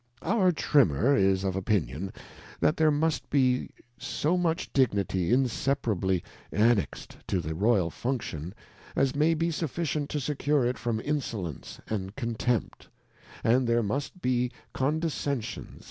Our Trimmer is of Opinion, that there must be so much Dignity inseparably annexed to the Royal Function, as may be sufficient to secure it from insolence and contempt ; and there must be CondeSGensiQns.